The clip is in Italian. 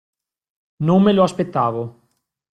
Non me lo aspettavo.